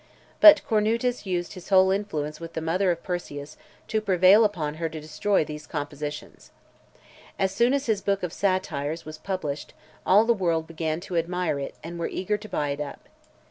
But Cornutus used his whole influence with the mother of Persius to prevail upon her to destroy these compositions. As soon as his book of Satires was published, all the world began to admire it, and were eager to buy it up.